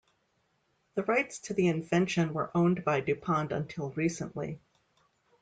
The rights to the invention were owned by DuPont until recently.